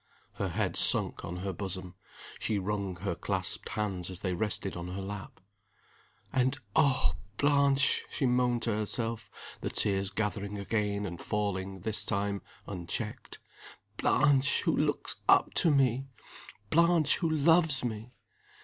Her head sunk on her bosom; she wrung her clasped hands as they rested on her lap. "And, oh, Blanche!" she moaned to herself, the tears gathering again, and falling, this time, unchecked. "Blanche, who looks up to me! Blanche, who loves me!